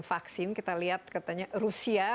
vaksin kita lihat katanya rusia